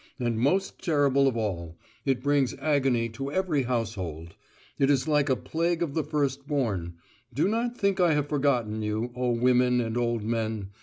And most terrible of all, it brings agony to every household: it is like a plague of the firstborn. Do not think I have forgotten you, O women, and old men.